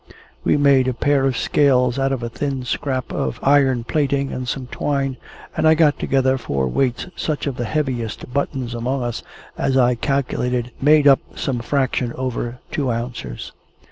We made a pair of scales out of a thin scrap of iron plating and some twine, and I got together for weights such of the heaviest buttons among us as I calculated made up some fraction over two ounces.